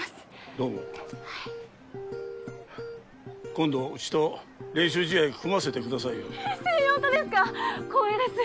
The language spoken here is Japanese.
どうもはい今度うちと練習試合組ませてくださいよえっ星葉とですか光栄ですよ